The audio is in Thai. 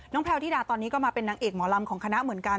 แพลวธิดาตอนนี้ก็มาเป็นนางเอกหมอลำของคณะเหมือนกัน